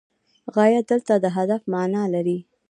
غایه دلته د هدف معنی لري.